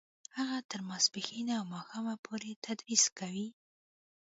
هغه تر ماسپښینه او ماښامه پورې تدریس کوي